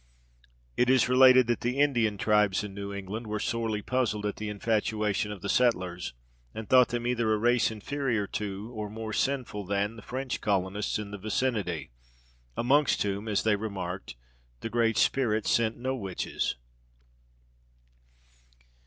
It is related that the Indian tribes in New England were sorely puzzled at the infatuation of the settlers, and thought them either a race inferior to, or more sinful than the French colonists in the vicinity, amongst whom, as they remarked, "the Great Spirit sent no witches."